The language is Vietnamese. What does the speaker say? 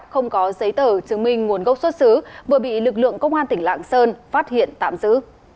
không có giấy tờ chứng minh nguồn gốc xuất xứ vừa bị lực lượng công an tỉnh lạng sơn phát hiện tạm giữ